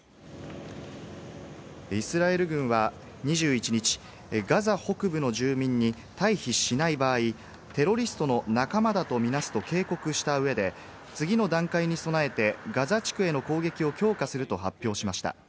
イスラエル軍は２１日、ガザ北部の住民に退避しない場合、テロリストの仲間だとみなすと警告した上で次の段階に備えて、ガザ地区への攻撃を強化すると発表しました。